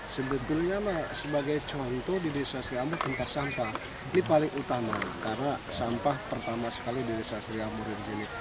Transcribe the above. sebetulnya sebagai contoh di desa siamun tempat sampah ini paling utama karena sampah pertama sekali di desa siriamur ini